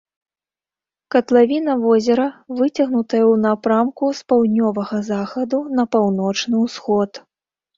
Катлавіна возера выцягнутая ў напрамку з паўднёвага захаду на паўночны ўсход.